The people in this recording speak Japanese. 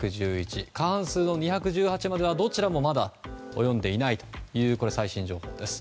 過半数の２１８まではどちらも及んでいないという最新情報です。